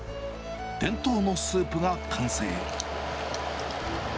伝統のスープが完成。